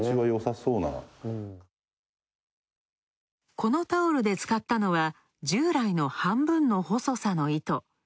このタオルで使ったのは、従来の半分の細さの糸。